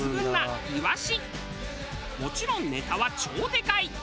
もちろんネタは超でかい。